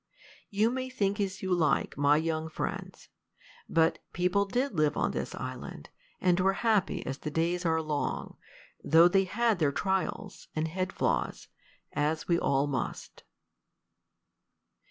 You may think as you like, my young friends; but people did live on this island, and were happy as the days are long, though they had their trials and "head flaws," as we all must.